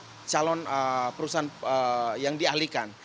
jika tidak kemudian akan ada calon perusahaan yang dialihkan